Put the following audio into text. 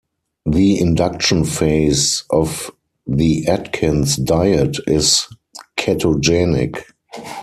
The induction phase of the Atkins diet is ketogenic.